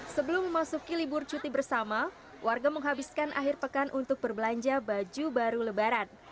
sebelum memasuki libur cuti bersama warga menghabiskan akhir pekan untuk berbelanja baju baru lebaran